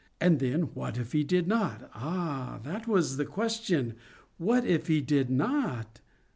And then what if he did not?—ah, that was the question—what if he did not?